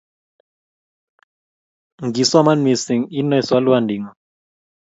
ngisoman mising inae salwandit ngung